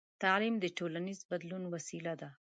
تعلیم د ټولنیز بدلون وسیله ده.